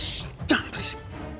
shh jangan berisik